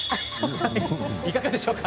いかがでしょうか？